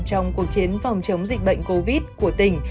trong cuộc chiến phòng chống dịch bệnh covid của tỉnh